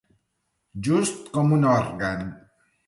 Just com un òrgan.